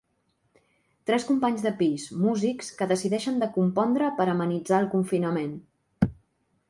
Tres companys de pis, músics, que decideixen de compondre per amenitzar el confinament.